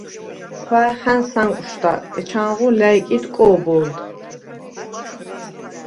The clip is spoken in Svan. ხვა̈ჲ ხა̈ნს ა̈ნკვშდა, ეჩქანღო ლა̈ჲკიდ კო̄ბჷლდ.